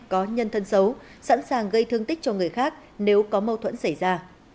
có nhân thân xấu sẵn sàng gây thương tích cho người khác nếu có mâu thuẫn xảy ra